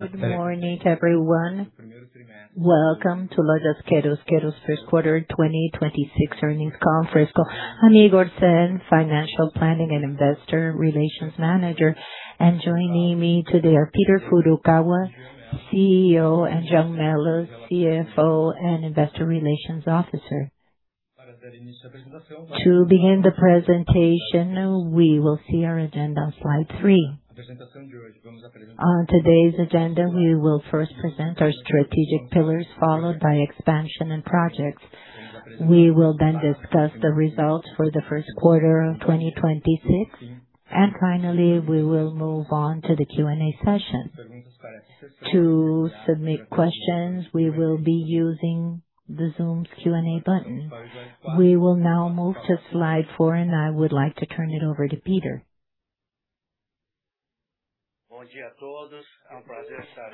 Good morning, everyone. Welcome to Lojas Quero-Quero's first quarter 2026 earnings conference call. I'm Igor Sehn, Financial Planning and Investor Relations Manager. Joining me today are Peter Furukawa, CEO, and Jean Pablo de Mello, CFO and Investor Relations Officer. To begin the presentation, we will see our agenda on slide three. On today's agenda, we will first present our strategic pillars, followed by expansion and projects. We will discuss the results for the first quarter of 2026. Finally, we will move on to the Q&A session. To submit questions, we will be using the Zoom's Q&A button. We will now move to slide four, I would like to turn it over to Peter.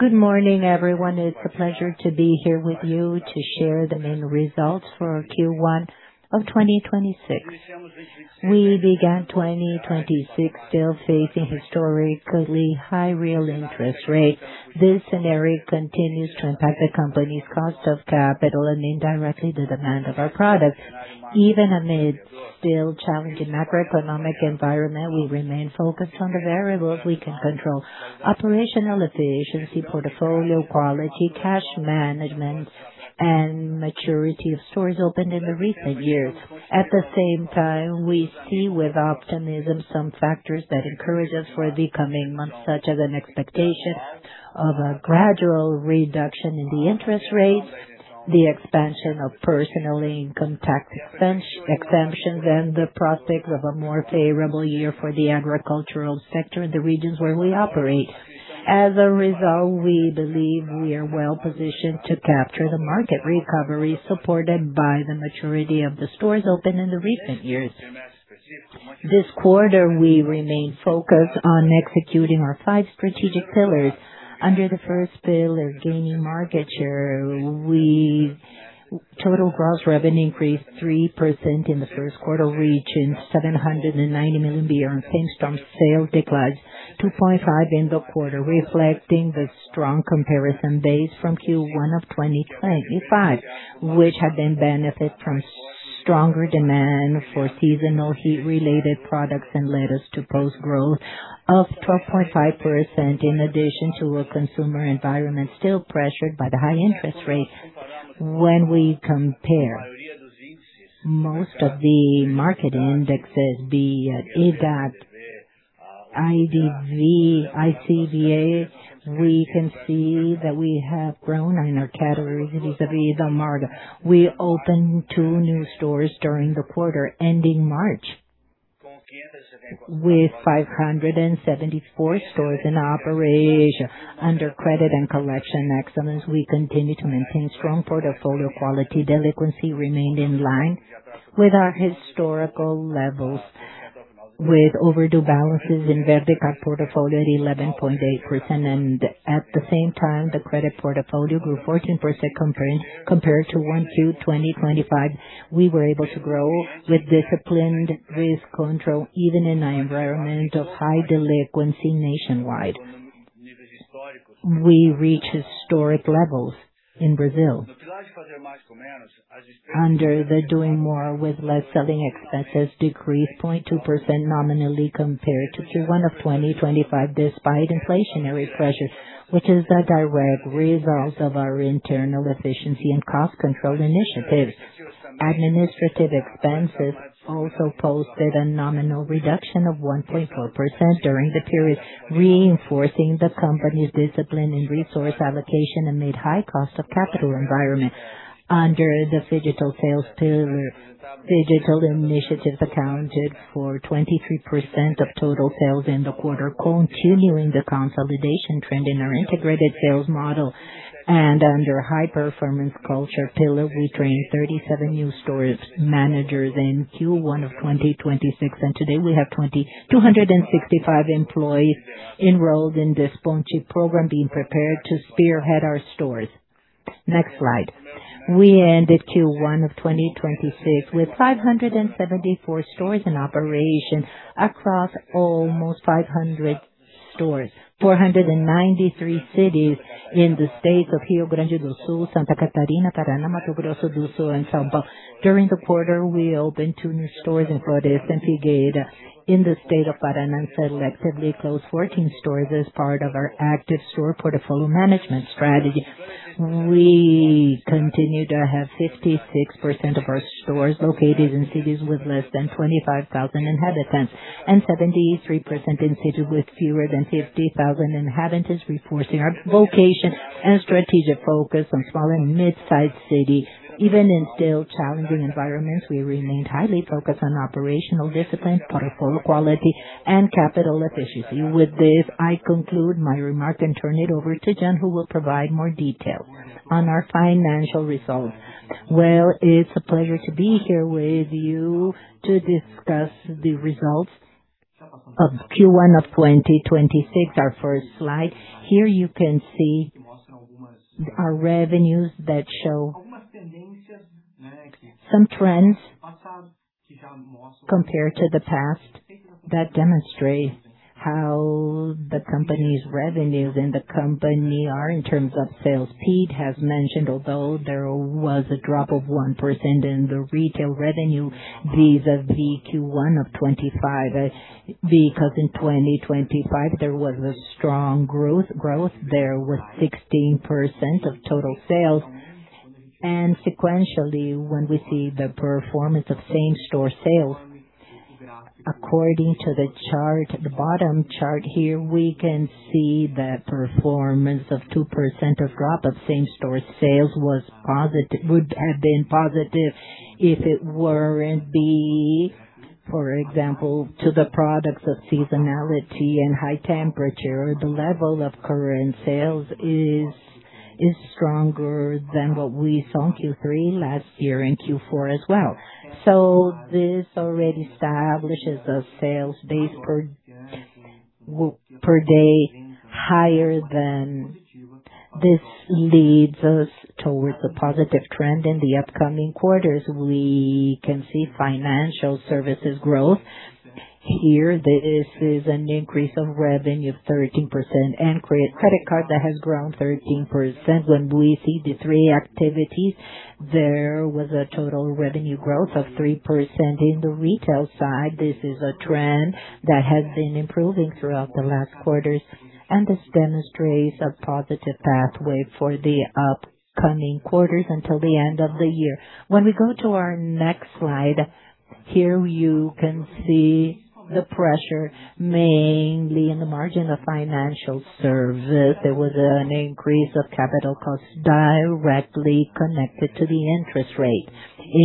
Good morning, everyone. It's a pleasure to be here with you to share the main results for Q1 of 2026. We began 2026 still facing historically high real interest rates. This scenario continues to impact the company's cost of capital and indirectly the demand of our products. Even amid still challenging macroeconomic environment, we remain focused on the variables we can control: operational efficiency, portfolio quality, cash management, and maturity of stores opened in the recent years. At the same time, we see with optimism some factors that encourage us for the coming months, such as an expectation of a gradual reduction in the interest rates, the expansion of personally income tax exemption, and the prospect of a more favorable year for the agricultural sector in the regions where we operate. As a result, we believe we are well-positioned to capture the market recovery supported by the maturity of the stores opened in the recent years. This quarter, we remain focused on executing our five strategic pillars. Under the first pillar, gaining market share, total gross revenue increased 3% in the first quarter, reaching 790 million, based on sales declines to 0.5% in the quarter, reflecting the strong comparison base from Q1 of 2025, which have been benefit from stronger demand for seasonal heat-related products and led us to post growth of 12.5% in addition to a consumer environment still pressured by the high interest rates. When we compare most of the market indexes, the IDAT, IDV, ICVA, we can see that we have grown in our categories vis-a-vis the market. We opened two new stores during the quarter ending March, with 574 stores in operation. Under credit and collection excellence, we continue to maintain strong portfolio quality. Delinquency remained in line with our historical levels, with overdue balances in vertical portfolio at 11.8%. At the same time, the credit portfolio grew 14% compared to 1Q 2025. We were able to grow with disciplined risk control, even in an environment of high delinquency nationwide. We reach historic levels in Brazil. Under the doing more with less, selling expenses decreased 0.2% nominally compared to Q1 of 2025 despite inflationary pressures, which is a direct result of our internal efficiency and cost control initiatives. Administrative expenses also posted a nominal reduction of 1.4% during the period, reinforcing the company's discipline in resource allocation amid high cost of capital environment. Under the digital sales pillar, digital initiatives accounted for 23% of total sales in the quarter, continuing the consolidation trend in our integrated sales model. Under high-performance culture pillar, we trained 37 new stores managers in Q1 of 2026. Today, we have 265 employees enrolled in this leadership program being prepared to spearhead our stores. Next slide. We ended Q1 of 2026 with 574 stores in operation across almost 500 stores. 493 cities in the states of Rio Grande do Sul, Santa Catarina, Paraná, Mato Grosso do Sul, and São Paulo. During the quarter, we opened two new stores in Floresta and Figueira in the State of Paraná and selectively closed 14 stores as part of our active store portfolio management strategy. We continue to have 56% of our stores located in cities with less than 25,000 inhabitants and 73% in cities with fewer than 50,000 inhabitants, reinforcing our vocation and strategic focus on small and mid-sized cities. Even in still challenging environments, we remained highly focused on operational discipline, portfolio quality, and capital efficiency. With this, I conclude my remarks and turn it over to Jean, who will provide more details on our financial results. Well, it's a pleasure to be here with you to discuss the results of Q1 of 2026. Our first slide. Here you can see our revenues that show some trends compared to the past, that demonstrates how the company's revenues are in terms of sales. Pete has mentioned, although there was a drop of 1% in the retail revenue vis-a-vis Q1 of 2025, because in 2025 there was a strong growth. There were 16% of total sales. Sequentially, when we see the performance of same-store sales, according to the chart, the bottom chart here, we can see the performance of 2% of drop of same-store sales would have been positive if it weren't be, for example, to the products of seasonality and high temperature. The level of current sales is stronger than what we saw in Q3 last year and Q4 as well. This already establishes a sales base per day. This leads us towards a positive trend in the upcoming quarters. We can see financial services growth. This is an increase of revenue of 13% and credit card that has grown 13% and e see the three activities, there was a total revenue growth of 3% in the retail side. This is a trend that has been improving throughout the last quarters, and this demonstrates a positive pathway for the upcoming quarters until the end of the year. When we go to our next slide, you can see the pressure mainly in the margin of financial service. There was an increase of capital costs directly connected to the interest rate.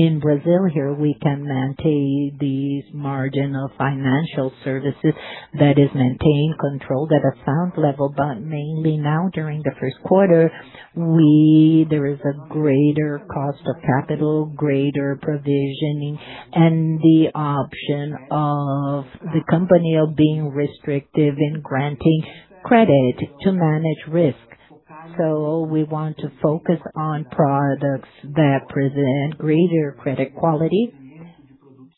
In Brazil, we can maintain these margin of financial services, that is, maintain control at a sound level. Mainly now during the first quarter, there is a greater cost of capital, greater provisioning, and the option of the company of being restrictive in granting credit to manage risk. We want to focus on products that present greater credit quality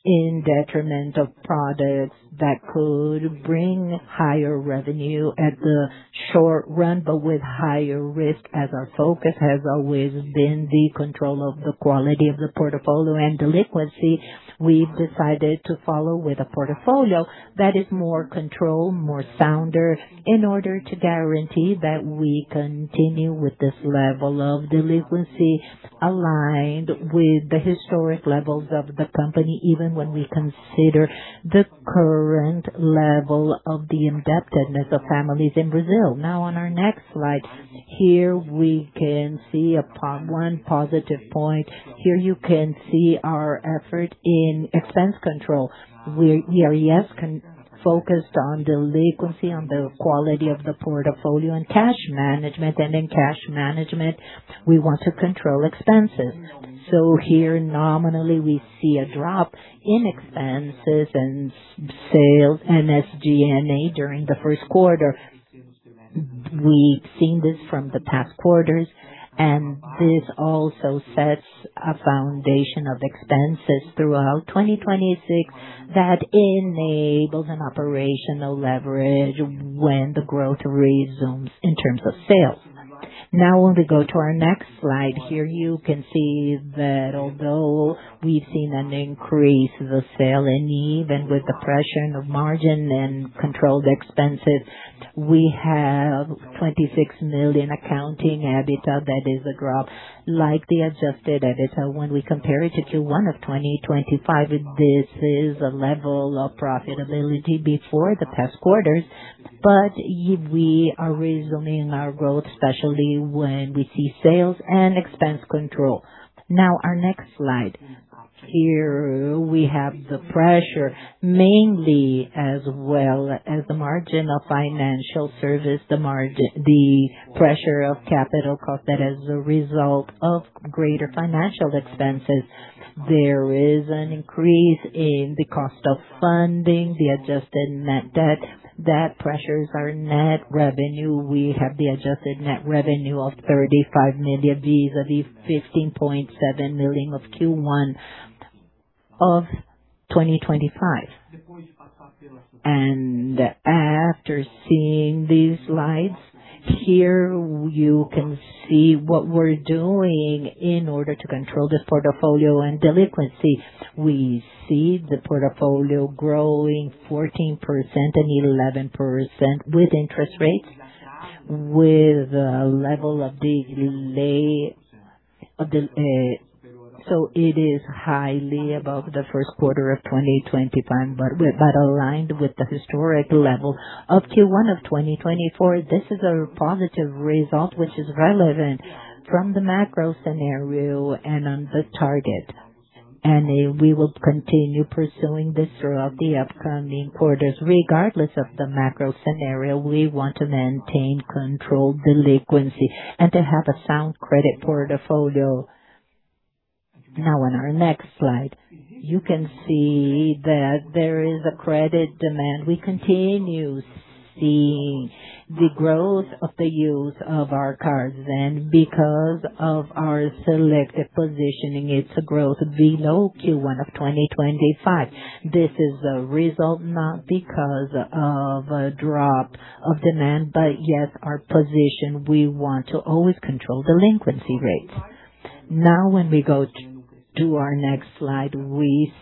in detriment of products that could bring higher revenue at the short run, but with higher risk. As our focus has always been the control of the quality of the portfolio and delinquency, we've decided to follow with a portfolio that is more controlled, more sounder, in order to guarantee that we continue with this level of delinquency aligned with the historic levels of the company, even when we consider the current level of the indebtedness of families in Brazil. Now, on our next slide, here we can see one positive point. Here you can see our effort in expense control. We here yes, focused on delinquency, on the quality of the portfolio and cash management. In cash management, we want to control expenses. Here nominally, we see a drop in expenses and sales and SG&A during the first quarter. We've seen this from the past quarters, and this also sets a foundation of expenses throughout 2026 that enables an operational leverage when the growth resumes in terms of sales. When we go to our next slide, here you can see that although we've seen an increase in the sale and even with the pressure in the margin and controlled expenses, we have 26 million accounting EBITDA. That is a drop like the adjusted EBITDA. When we compare it to Q1 of 2025, this is a level of profitability before the past quarters. We are resuming our growth, especially when we see sales and expense control. Our next slide. Here we have the pressure mainly as well as the margin of financial service, the pressure of capital cost that is a result of greater financial expenses. There is an increase in the cost of funding the adjusted net debt. That pressures our net revenue. We have the adjusted net revenue of 35 million vis-a-vis 15.7 million of Q1 of 2025. After seeing these slides, here you can see what we're doing in order to control this portfolio and delinquency. We see the portfolio growing 14% and 11% with interest rates, with a level of the delay of the. It is highly above the first quarter of 2025, but aligned with the historic level of Q1 of 2024. This is a positive result which is relevant from the macro scenario and on the target and we will continue pursuing this throughout the upcoming quarters. Regardless of the macro scenario, we want to maintain controlled delinquency and to have a sound credit portfolio. On our next slide, you can see that there is a credit demand. We continue to see the growth of the use of our cards and because of our selective positioning, it's a growth below Q1 of 2025. This is a result not because of a drop of demand, but yes, our position, we want to always control delinquency rates. When we go to our next slide, we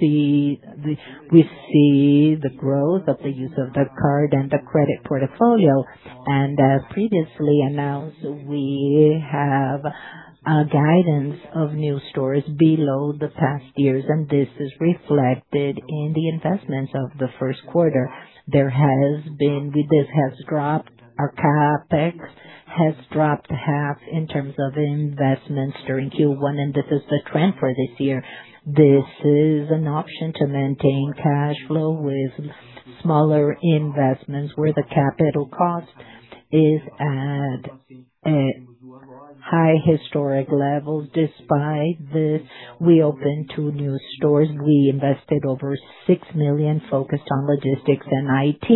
see the growth of the use of the card and the credit portfolio. As previously announced, we have a guidance of new stores below the past years, and this is reflected in the investments of the first quarter. This has dropped. Our CapEx has dropped half in terms of investments during Q1, and this is the trend for this year. This is an option to maintain cash flow with smaller investments where the capital cost is at a high historic level. Despite this, we opened two new stores. We invested over 6 million focused on logistics and IT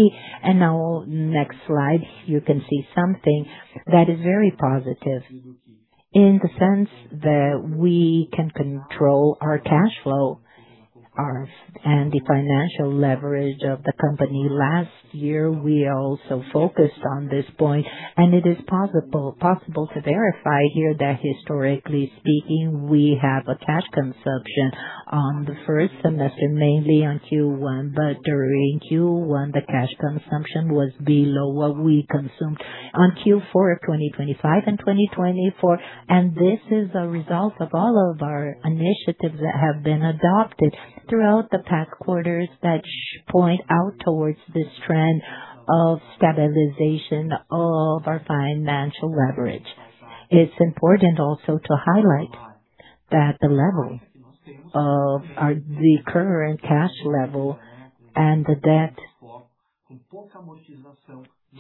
and now next slide, you can see something that is very positive in the sense that we can control our cash flow and the financial leverage of the company. Last year, we also focused on this point, and it is possible to verify here that historically speaking, we have a cash consumption on the first semester, mainly on Q1. During Q1, the cash consumption was below what we consumed on Q4 of 2025 and 2024 and this is a result of all of our initiatives that have been adopted throughout the past quarters that point out towards this trend of stabilization of our financial leverage. It's important also to highlight that the current cash level and the debt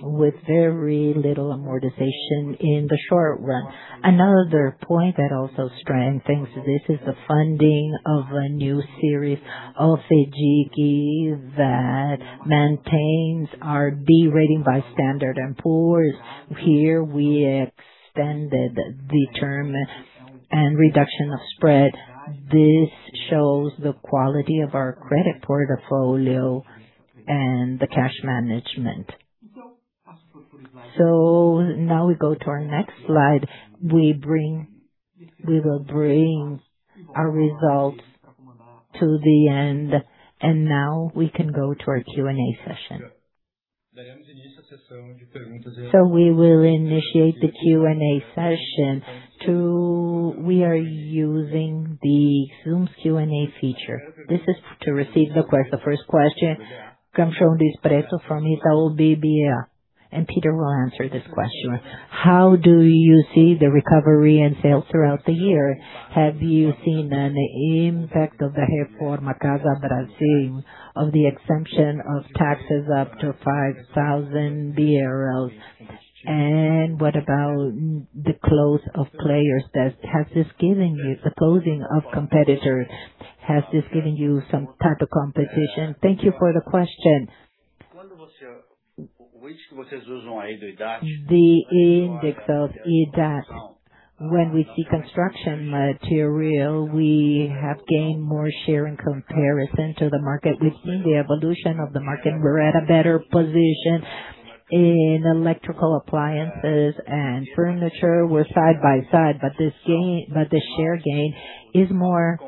with very little amortization in the short run. Another point that also strengthens this is the funding of a new series of CRI that maintains our B rating by Standard & Poor's. Here we extended the term and reduction of spread. This shows the quality of our credit portfolio and the cash management. Now we go to our next slide. We will bring our results to the end, and now we can go to our Q&A session. We will initiate the Q&A session. We are using the Zoom's Q&A feature. This is to receive. The first question comes from Vinicius Pretto from Itaú BBA. Peter Furukawa will answer this question. How do you see the recovery in sales throughout the year? Have you seen an impact of the Reforma Casa Brasil of the exemption of taxes up to 5,000 BRL and what about the close of players that has this given you some type of competition? Thank you for the question. The index of IDAT. When we see construction material, we have gained more share in comparison to the market. We've seen the evolution of the market. We're at a better position in electrical appliances and furniture. We're side by side. The share gain is more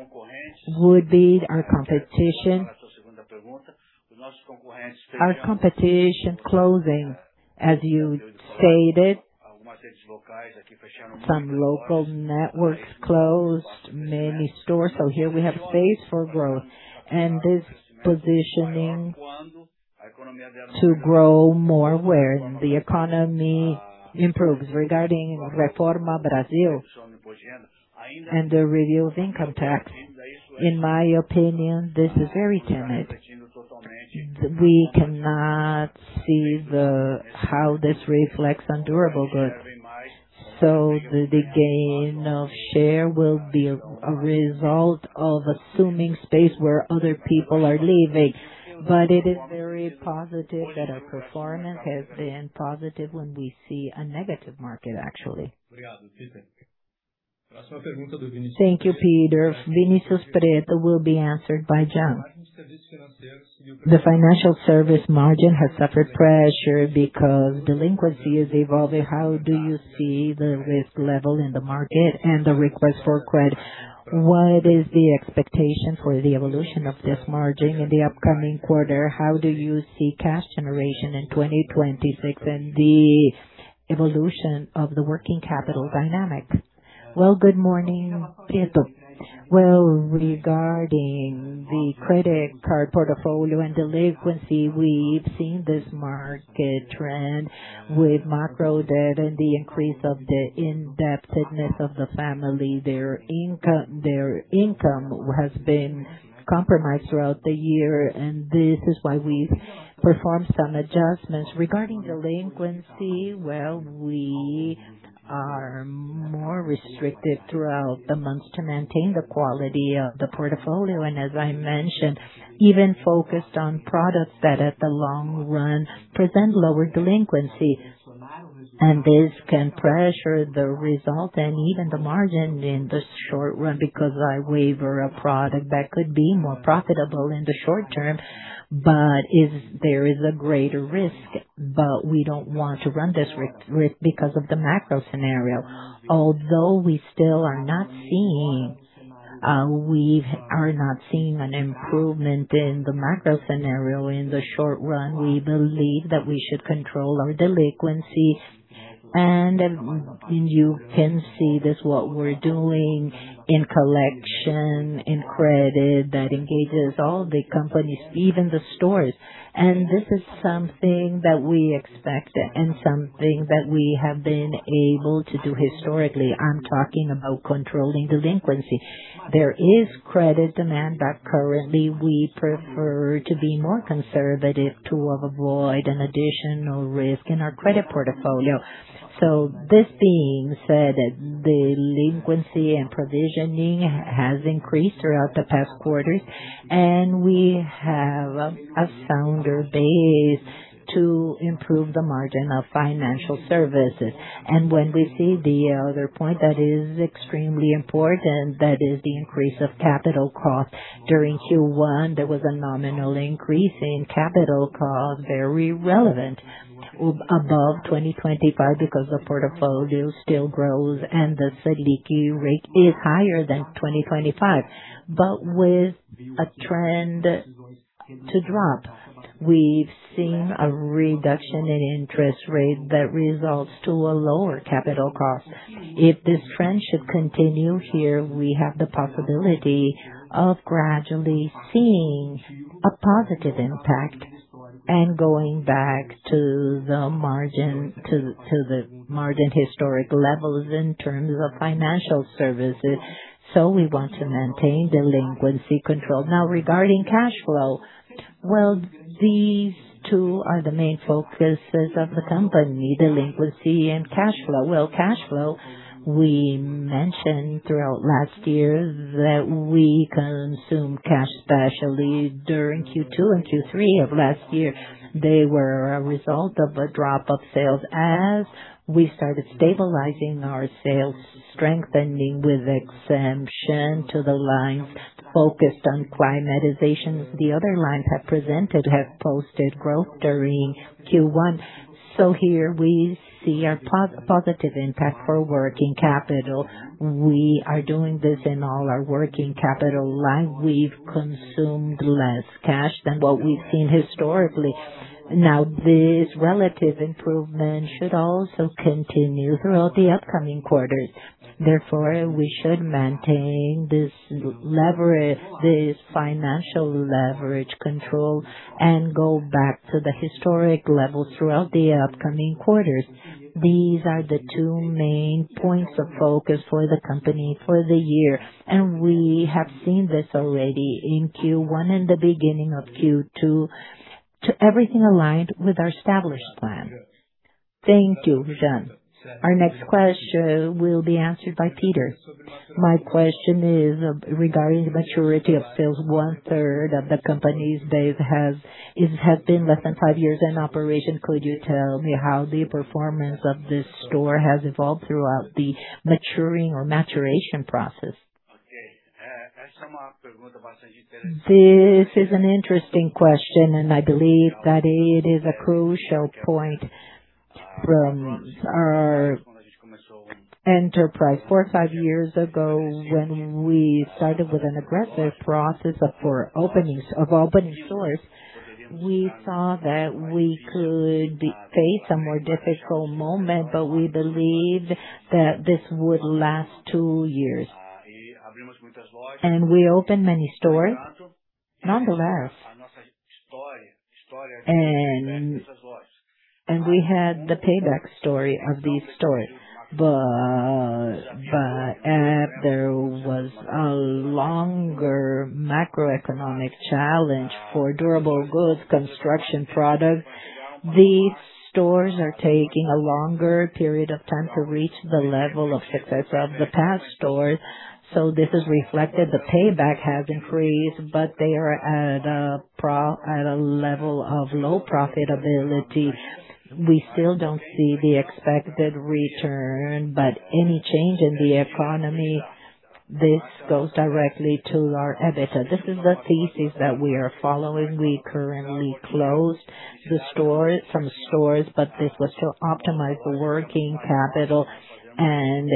would be our competition. Our competition closing, as you stated, some local networks closed many stores. Here we have space for growth. This positioning to grow more where the economy improves. Regarding Reforma Brasil and the reduced income tax, in my opinion, this is very timid. We cannot see how this reflects on durable goods. The gain of share will be a result of assuming space where other people are leaving but it is very positive that our performance has been positive when we see a negative market, actually. Thank you, Peter. Vinicius Pretto will be answered by Jean. The financial service margin has suffered pressure because delinquency is evolving. How do you see the risk level in the market and the request for credit? What is the expectation for the evolution of this margin in the upcoming quarter? How do you see cash generation in 2026 and the evolution of the working capital dynamics? Well, good morning, Pretto. Well, regarding the credit card portfolio and delinquency, we've seen this market trend with macro debt and the increase of the indebtedness of the family. Their income has been compromised throughout the year, and this is why we've performed some adjustments. Regarding delinquency, well, we are more restricted throughout the months to maintain the quality of the portfolio, as I mentioned, even focused on products that at the long run present lower delinquency. This can pressure the result and even the margin in the short run because I waive a product that could be more profitable in the short term, but there is a greater risk but we don't want to run this risk because of the macro scenario. Although we still are not seeing an improvement in the macro scenario in the short run, we believe that we should control our delinquency. You can see this, what we're doing in collection, in credit, that engages all the companies, even the stores. This is something that we expect and something that we have been able to do historically. I'm talking about controlling delinquency. There is credit demand that currently we prefer to be more conservative to avoid an additional risk in our credit portfolio. This being said, delinquency and provisioning has increased throughout the past quarters, and we have a sounder base to improve the margin of financial services. When we see the other point that is extremely important, that is the increase of capital costs. During Q1, there was a nominal increase in capital cost, very relevant above 2025 because the portfolio still grows and the Selic rate is higher than 2025. With a trend to drop, we've seen a reduction in interest rate that results to a lower capital cost. If this trend should continue here, we have the possibility of gradually seeing a positive impact and going back to the margin, to the margin historic levels in terms of financial services so we want to maintain delinquency control. Regarding cash flow, these two are the main focuses of the company, delinquency and cash flow. Well, cash flow, we mentioned throughout last year that we consume cash, especially during Q2 and Q3 of last year. They were a result of a drop of sales. As we started stabilizing our sales, strengthening with exemption to the lines focused on climatization. The other lines have posted growth during Q1. Here we see a positive impact for working capital but we are doing this in all our working capital line. We've consumed less cash than what we've seen historically. This relative improvement should also continue throughout the upcoming quarters. We should maintain this leverage, this financial leverage control and go back to the historic level throughout the upcoming quarters. These are the two main points of focus for the company for the year, and we have seen this already in Q1 and the beginning of Q2 to everything aligned with our established plan. Thank you, Jean. Our next question will be answered by Peter. My question is regarding the maturity of sales 1/3 of the company's days, it has been less than five years in operation. Could you tell me how the performance of this store has evolved throughout the maturing or maturation process? This is an interesting question. I believe that it is a crucial point from our enterprise. Four, five years ago, when we started with an aggressive process of opening stores, we saw that we could face a more difficult moment but we believed that this would last two years and we opened many stores. Nonetheless, we had the payback story of these stores but there was a longer macroeconomic challenge for durable goods, construction products. These stores are taking a longer period of time to reach the level of success of the past stores so this is reflected. The payback has increased, but they are at a level of low profitability. We still don't see the expected return, but any change in the economy, this goes directly to our EBITDA. This is the thesis that we are following. We currently closed some stores, but this was to optimize the working capital and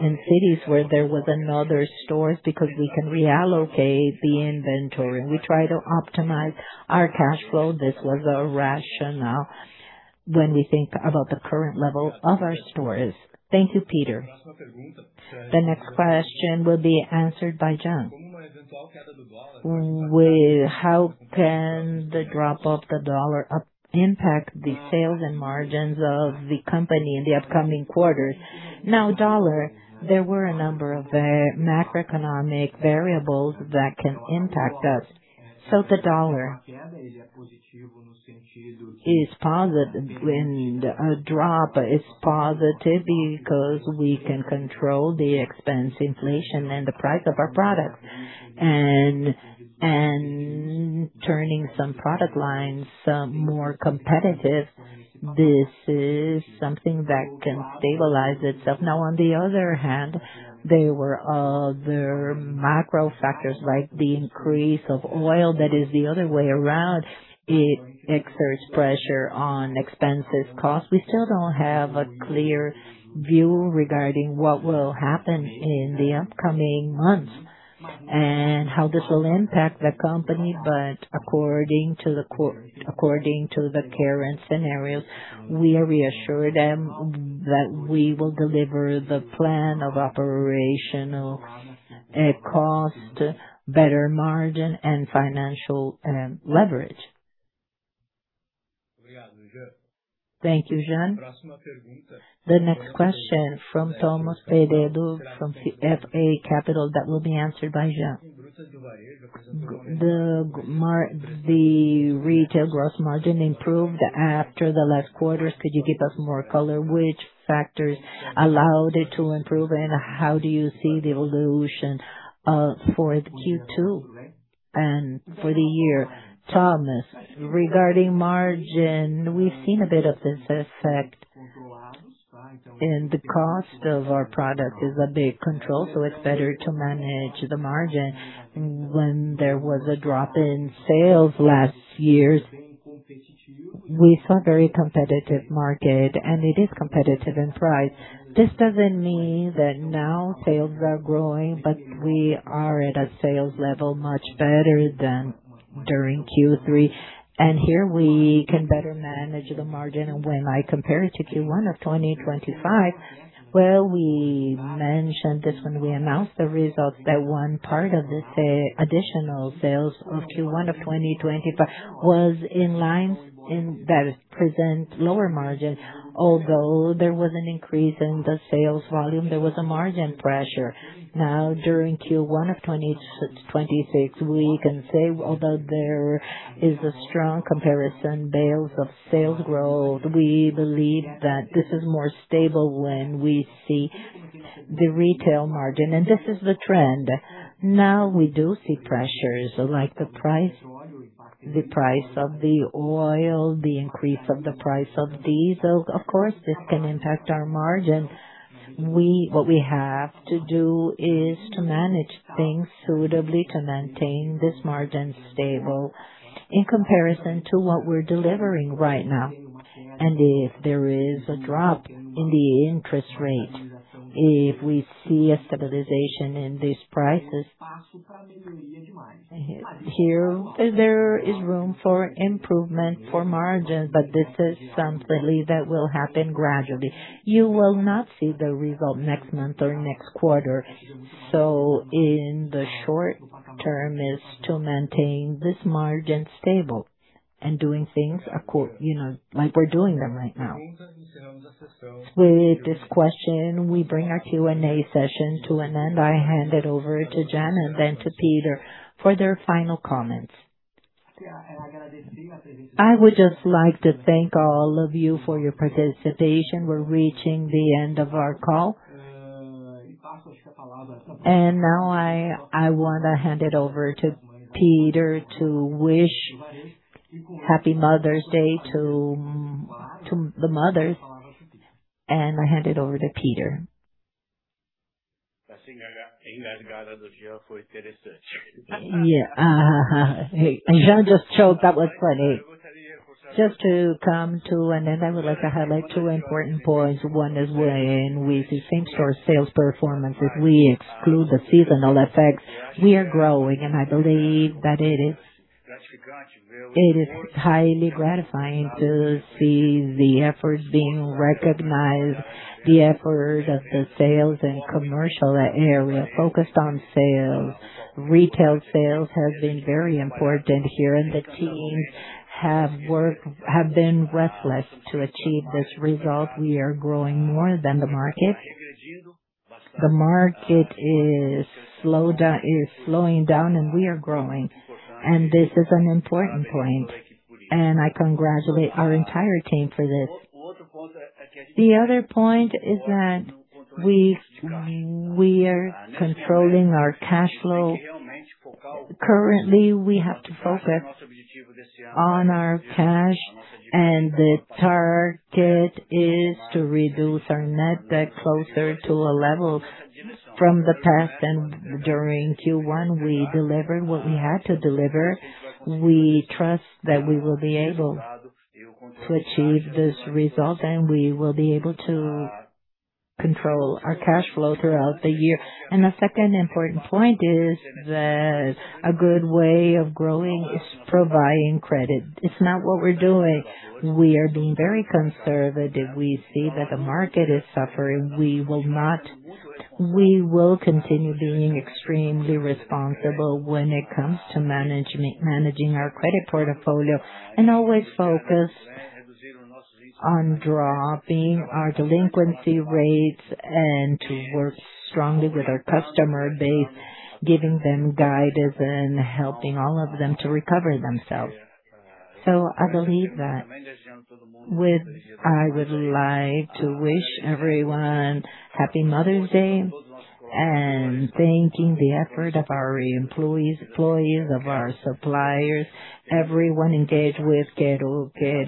in cities where there was another stores, because we can reallocate the inventory. We try to optimize our cash flow. This was our rationale when we think about the current level of our stores. Thank you, Peter. The next question will be answered by Jean. Well, how can the drop of the dollar impact the sales and margins of the company in the upcoming quarters? Now, dollar, there were a number of macroeconomic variables that can impact us. The dollar is positive when the drop is positive because we can control the expense inflation and the price of our products, and turning some product lines more competitive, this is something that can stabilize itself. On the other hand, there were other macro factors like the increase of oil that is the other way around. It exerts pressure on expenses cost. We still don't have a clear view regarding what will happen in the upcoming months and how this will impact the company. According to the current scenario, we are reassured that we will deliver the plan of operational cost, better margin and financial leverage. Thank you, Jean. The next question from Thomas [Pedduy] from [FA Capital] that will be answered by Jean. The retail gross margin improved after the last quarters. Could you give us more color which factors allowed it to improve, and how do you see the evolution for Q2 and for the year? Thomas, regarding margin, we've seen a bit of this effect, and the cost of our product is a big control, so it's better to manage the margin. When there was a drop in sales last years, we saw a very competitive market, and it is competitive in price. This doesn't mean that now sales are growing, but we are at a sales level much better than during Q3. Here we can better manage the margin. When I compare it to Q1 of 2025, well, we mentioned this when we announced the results that one part of this additional sales of Q1 of 2025 was in line that present lower margin. Although there was an increase in the sales volume, there was a margin pressure. During Q1 of 2026, we can say although there is a strong comparison basis of sales growth, we believe that this is more stable when we see the retail margin, and this is the trend. We do see pressures like the price of oil, the increase of the price of diesel. Of course, this can impact our margin. What we have to do is to manage things suitably to maintain this margin stable in comparison to what we're delivering right now and if there is a drop in the interest rate, if we see a stabilization in these prices, here there is room for improvement for margin, but this is something that will happen gradually. You will not see the result next month or next quarter. In the short term is to maintain this margin stable and doing things, you know, like we're doing them right now. With this question, we bring our Q&A session to an end. I hand it over to Jean and then to Peter for their final comments. I would just like to thank all of you for your participation. We're reaching the end of our call. Now I wanna hand it over to Peter to wish Happy Mother's Day to the mothers, and I hand it over to Peter. Yeah. Jean just choked. That was funny. Just to come to an end, I would like to highlight two important points. One is when we do same-store sales performance, if we exclude the seasonal effects, we are growing. I believe that it is highly gratifying to see the efforts being recognized, the efforts of the sales and commercial area focused on sales. Retail sales have been very important here. The teams have been restless to achieve this result. We are growing more than the market. The market is slowing down and we are growing and this is an important point. I congratulate our entire team for this. The other point is that we are controlling our cash flow. Currently, we have to focus on our cash and the target is to reduce our net debt closer to a level from the past. During Q1, we delivered what we had to deliver. We trust that we will be able to achieve this result and we will be able to control our cash flow throughout the year. The second important point is that a good way of growing is providing credit. It's not what we're doing. We are being very conservative. We see that the market is suffering. We will continue being extremely responsible when it comes to managing our credit portfolio and always focus on dropping our delinquency rates and to work strongly with our customer base, giving them guidance and helping all of them to recover themselves so I believe that. I would like to wish everyone Happy Mother's Day and thanking the effort of our employees of our suppliers, everyone engaged with Quero-Quero.